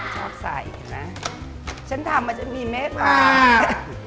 ชอบใส่นะฉันทำมันจะมีเม็ด